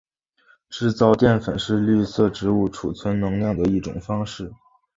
制造淀粉是绿色植物贮存能量的一种方式。